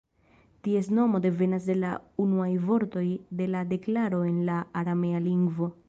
Ties nomo devenas de la unuaj vortoj de la deklaro en la aramea lingvo.